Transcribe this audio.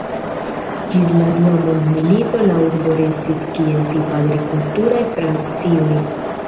Ĝis la Dua Mondmilito la urbo restis kiel tipa agrikulturaj funkcioj.